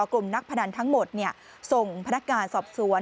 กลุ่มนักพนันทั้งหมดส่งพนักงานสอบสวน